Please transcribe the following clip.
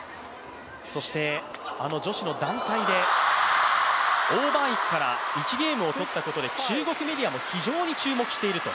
そしてあの女子の団体で王曼イクから１ゲームを取ったことから中国メディアも非常に注目していると。